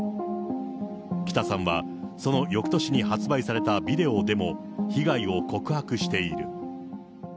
北さんは、そのよくとしに発売されたビデオでも、被害を告白している。